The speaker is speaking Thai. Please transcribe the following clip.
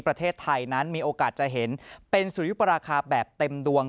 ประเทศไทยนั้นมีโอกาสจะเห็นเป็นสุริยุปราคาแบบเต็มดวง